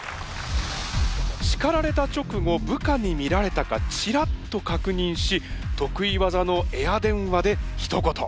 叱られた直後部下に見られたかちらっと確認し得意技のエア電話でひと言。